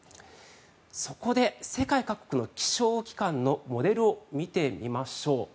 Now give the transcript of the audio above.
そこで世界各国の気象機関のモデルを見てみましょう。